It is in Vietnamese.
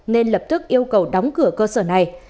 nên lập tức yêu cầu đóng cửa cơ sở này